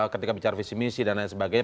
ketika bicara visi misi dan lain sebagainya